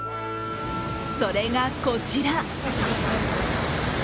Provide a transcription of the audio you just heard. それがこちら。